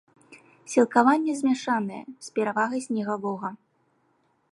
Сілкаванне змяшанае, з перавагай снегавога.